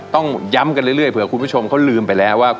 ต้องย้ำกันเรื่อยเผื่อคุณผู้ชมเขาลืมไปแล้วว่า